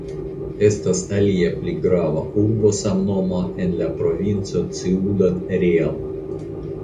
Estas alia pli grava urbo samnoma en la Provinco Ciudad Real.